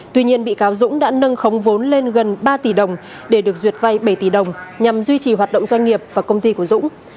tuy nhiên bị cáo dũng đã nâng khống vốn lên gần ba tỷ đồng để được duyệt vay bảy tỷ đồng nhằm duy trì hoạt động doanh nghiệp và công ty của dũng